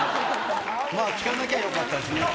まあ、聞かなきゃよかったですね。